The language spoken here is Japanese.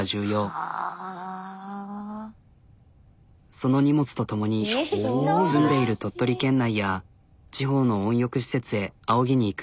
その荷物と共に住んでいる鳥取県内や地方の温浴施設へあおぎにいく。